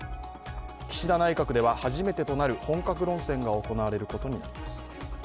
岸田内閣では初めてとなる本格論戦が行われることになります。